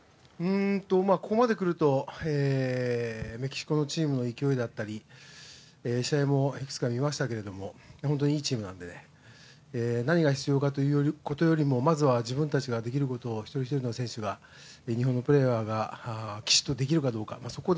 ここまで来ると、メキシコのチームの勢いだったり試合もいくつか見ましたけれども本当にいいチームなので何が必要かということよりもまずは自分たちができることを一人一人の選手が、日本のプレーがきちっとできるかどうか。